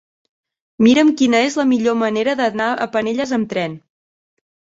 Mira'm quina és la millor manera d'anar a Penelles amb tren.